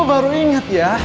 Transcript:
gue baru inget ya